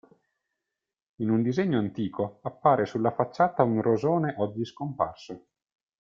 In un disegno antico appare sulla facciata un rosone oggi scomparso.